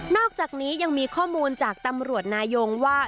อกจากนี้ยังมีข้อมูลจากตำรวจนายงว่า